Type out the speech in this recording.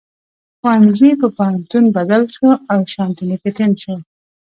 ښوونځي په پوهنتون بدل شو او شانتي نیکیتن شو.